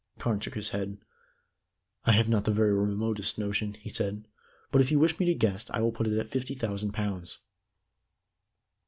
Carne shook his head. "I have not the very remotest notion," he said. "But if you wish me to guess, I will put it at fifty thousand pounds."